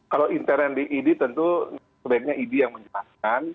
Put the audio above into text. kalau intern di ini tentu sebaiknya ini yang menjelaskan